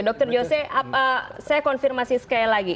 dr jose saya konfirmasi sekali lagi